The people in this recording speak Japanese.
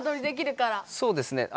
そうですね。